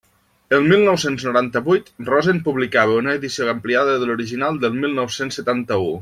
El mil nou-cents noranta-vuit, Rosen publicava una edició ampliada de l'original del mil nou-cents setanta-u.